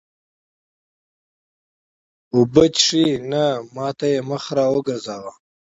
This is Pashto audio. اوبه څښې؟ نه، ما ته یې مخ را وګرځاوه.